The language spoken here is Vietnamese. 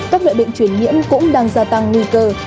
các loại bệnh chuyển nhiễm cũng đang gia tăng nguy cơ